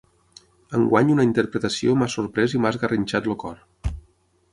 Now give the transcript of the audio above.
Enguany una interpretació m’ha sorprès i m’ha esgarrinxat el cor.